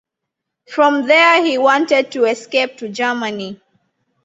From there he wanted to escape to Germany.